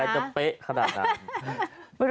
จะเป๊ะขนาดนั้น